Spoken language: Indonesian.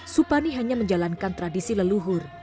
supani hanya menjalankan tradisi leluhur